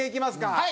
はい。